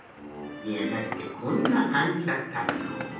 いやだってこんなかんじだったんだもの。